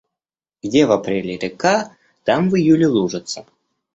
Где в апреле река, там в июле лужица.